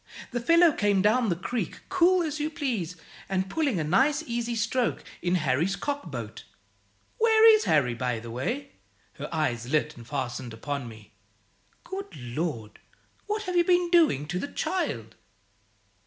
The fellow came down the creek, cool as you please, and pulling a nice easy stroke, in Harry's cockboat. Where is Harry, by the way?" her eyes lit and fastened upon me "Good Lord! what have you been doing to the child?"